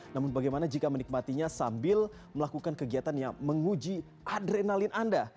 namun bagaimana jika menikmatinya sambil melakukan kegiatan yang menguji adrenalin anda